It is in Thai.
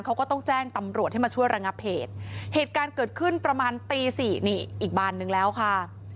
เขาก็ต้องแจ้งตำรวจให้มาช่วยระงับเหตุเหตุการณ์เกิดขึ้นประมาณตีสี่นี่อีกบานนึงแล้วค่ะ